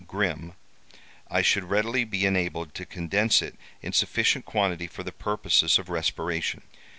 Grimm, I should readily be enabled to condense it in sufficient quantity for the purposes of respiration.